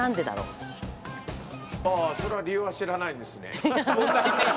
ああそれは理由は知らないんですね？